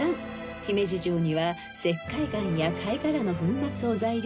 ［姫路城には石灰岩や貝殻の粉末を材料にした］